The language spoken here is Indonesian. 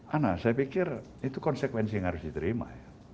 ana saya pikir itu konsekuensi yang harus diterima ya